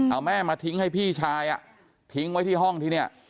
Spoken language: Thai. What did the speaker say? เอาแม่มาทิ้งให้พี่ชายทิ้งไว้ที่ห้องที่เนี่ย